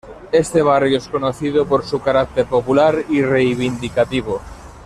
Este barrio es conocido por su carácter popular y reivindicativo.